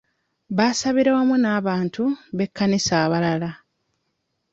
Baasabira wamu n'abantu b'ekkanisa abalala.